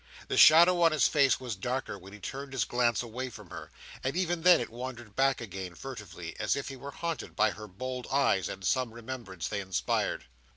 The shadow on his face was darker when he turned his glance away from her; and even then it wandered back again, furtively, as if he were haunted by her bold eyes, and some remembrance they inspired.